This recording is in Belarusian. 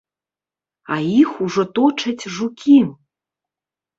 А іх ужо точаць жукі!